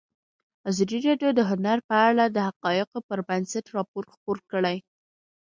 ازادي راډیو د هنر په اړه د حقایقو پر بنسټ راپور خپور کړی.